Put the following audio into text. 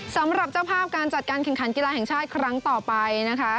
สำหรับเจ้าภาพการจัดการแข่งขันกีฬาแห่งชาติครั้งต่อไปนะคะ